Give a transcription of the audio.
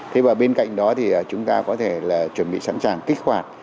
thế và bên cạnh đó thì chúng ta có thể là chuẩn bị sẵn sàng kích hoạt